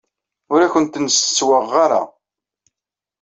Ur ak-ten-settwaɣeɣ ara.